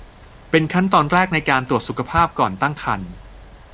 เป็นขั้นตอนแรกในการตรวจสุขภาพก่อนตั้งครรภ์